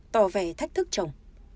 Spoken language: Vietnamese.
tò vẻ thách thức chồng